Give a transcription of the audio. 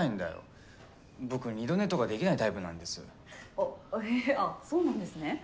あへえあっそうなんですね。